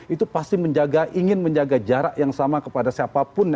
itu pasti menjaga ingin menjaga jarak yang sama kepada siapapun